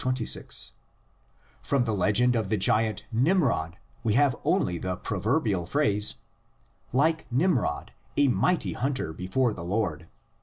26); from the legend of the giant Nimrod we have only the proverbial phrase, "like Nimrod, a mighty hunter before the Lord" (x.